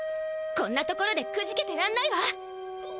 こんなところでくじけてらんないわ！